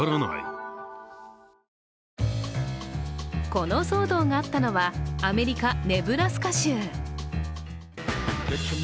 この騒動があったのはアメリカ・ネブラスカ州。